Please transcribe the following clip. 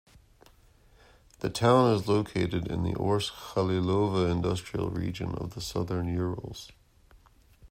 The town is located in the Orsk-Khalilovo industrial region of the southern Urals.